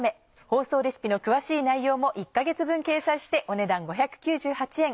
放送レシピの詳しい内容も１か月分掲載してお値段５９８円。